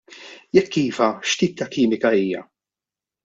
Jekk iva, x'tip ta' kimika hija?